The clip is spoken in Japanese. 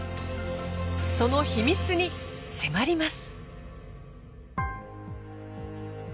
その秘密に迫ります。